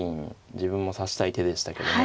自分も指したい手でしたけどね。